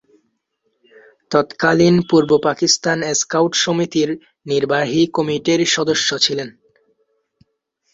তৎকালীন পূর্ব পাকিস্তান স্কাউট সমিতির নির্বাহী কমিটির সদস্য ছিলেন।